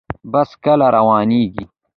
بس کله روانیږي؟